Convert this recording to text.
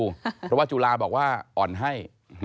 เพราะว่าจุฬาบอกว่าอ่อนให้